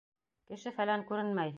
Кеше-фәлән күренмәй.